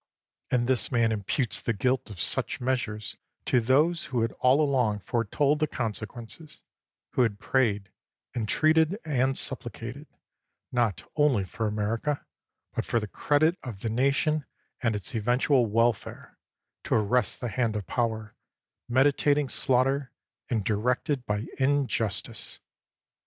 And this man imputes the guilt of such measures to those who had all along foretold the consequences; who had prayed, en treated and supplicated, not only for America, but for the credit of the nation and its eventual welfare, to arrest the hand of power, meditating slaughter, and directed by injustice